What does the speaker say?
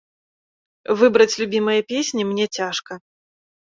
Выбраць любімыя песні мне цяжка.